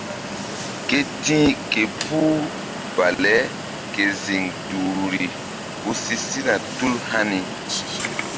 Ke ti̧h ke puh baleke ziŋ duhruri ku si sina tul hani.